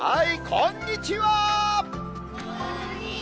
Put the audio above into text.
こんにちは。